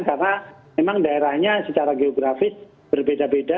karena memang daerahnya secara geografis berbeda beda